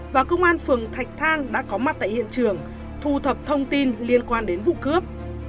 và công an phường thạch thang đã có mặt tại hiện trường thu thập thông tin liên quan đến vụ cướp